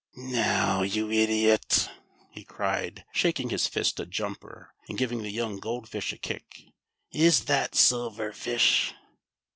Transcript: " Now, you idiot !" he cried, shaking his fist at Jumper, and giving the young Gold Fish a kick, "is that Silver Fish